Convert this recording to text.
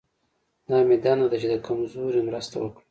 دا مې دنده ده چې د کمزوري مرسته وکړم.